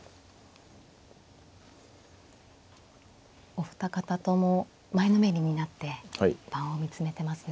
お二方とも前のめりになって盤を見つめてますね。